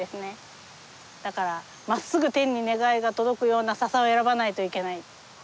だからまっすぐ天に願いが届くような笹を選ばないといけない。